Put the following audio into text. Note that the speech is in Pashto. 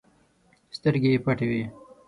سترګې یې پټې وي.